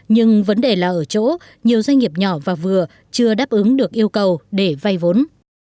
nhưng vấn đề là ở chỗ nhiều doanh nghiệp nhỏ và vừa chưa đáp ứng được yêu cầu để vay vốn